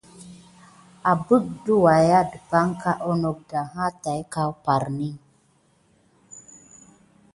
Əbba i sa kan adake wudaya depanka andoko mataki.